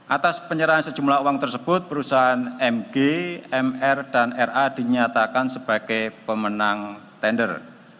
atas penyerahan sejumlah uang tersebut perusahaan mg mr dan ra dinyatakan sebagai pemenang tender